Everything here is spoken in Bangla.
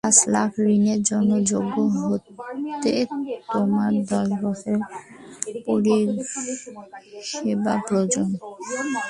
পাঁচ লাখ ঋণের জন্য যোগ্য হতে তোমার দশ বছরের পরিষেবা প্রয়োজন।